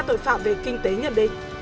tội phạm về kinh tế nhận định